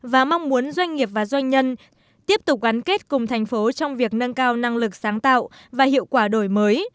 và mong muốn doanh nghiệp và doanh nhân tiếp tục gắn kết cùng thành phố trong việc nâng cao năng lực sáng tạo và hiệu quả đổi mới